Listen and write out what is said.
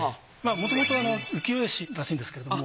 もともとあの浮世絵師らしいんですけども。